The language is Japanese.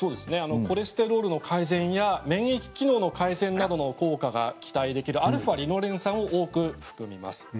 コレステロールの改善や免疫機能の改善などの効果が期待できるα−リノレン酸を多く含みます。